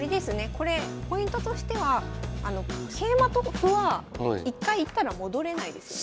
これポイントとしては桂馬と歩は一回行ったら戻れないですよね。